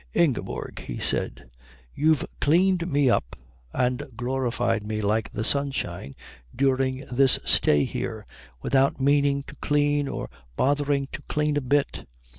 "Ingeborg," he said, "you've cleaned me up and glorified me like the sunshine during this stay here, without meaning to clean or bothering to clean a bit.